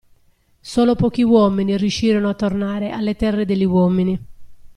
Solo pochi uomini riuscirono a tornare alle terre degli uomini.